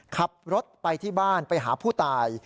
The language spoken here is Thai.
ขับรถไปที่บ้านไปหาผู้ตาย